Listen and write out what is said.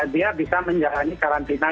dia bisa menjalani karantina